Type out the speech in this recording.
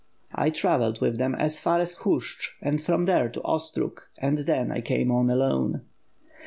'' "I travelled with them as far as Hushch and from there to Ostrog and then I came on alone."